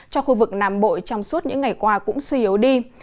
cho khu vực nam bộ trong suốt những ngày qua cũng suy yếu đi